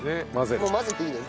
もう混ぜていいの？